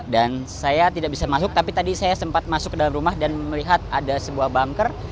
dan saya tidak bisa masuk tapi tadi saya sempat masuk ke dalam rumah dan melihat ada sebuah bunker